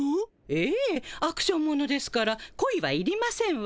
ええアクションものですから恋はいりませんわ。